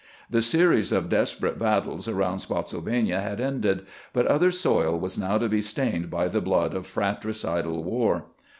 The series of desperate battles around Spottsylvania had ended, but other soil was now to be stained by the 132 CAMPAIGNING WITH GRANT blood of fratricidal war.